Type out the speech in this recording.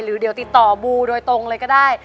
หรือจะติดต่อบูหรือแทนโดยตรงเลยก็ได้